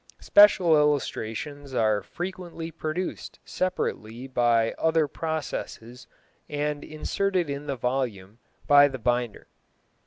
Special illustrations are frequently produced separately by other processes and inserted in the volume by the binder.